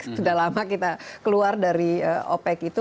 sudah lama kita keluar dari opec itu